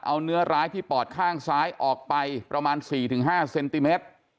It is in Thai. เอาเนื้อร้ายที่ปอดข้างซ้ายออกไปประมาณ๔๕เซนติเมตร